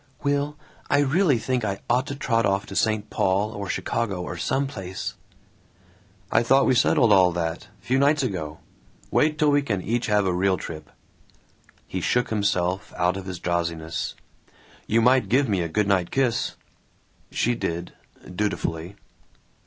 "Will, I really think I ought to trot off to St. Paul or Chicago or some place." "I thought we settled all that, few nights ago! Wait till we can have a real trip." He shook himself out of his drowsiness. "You might give me a good night kiss." She did dutifully.